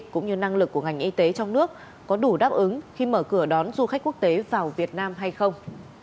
cũng như năng lực của ngành y tế trong nước có đủ đáp ứng khi mở cửa đón du khách quốc tế vào việt nam hay không